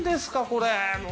これ。